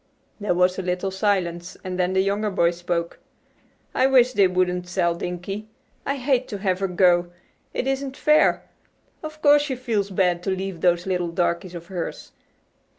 There was a little silence, and then the younger boy spoke. "I wish they wouldn't sell Dinkie. I hate to have her go. It isn't fair. Of course she feels bad to leave those little darkies of hers.